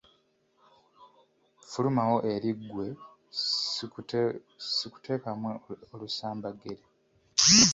Fulumawo eri ggwe sikuteekamu olusambaggere!